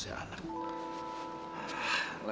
iya ya gimana sih anak